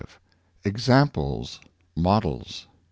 EXAMPLE — MODELS.